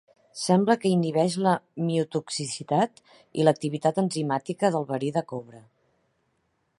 Sembla que inhibeix la miotoxicitat i l'activitat enzimàtica del verí de cobra.